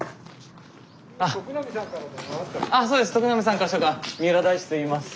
あそうです。